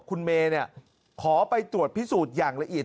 คุณเมย์ขอไปตรวจพิสูจน์อย่างละเอียด